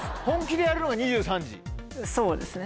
そうですね。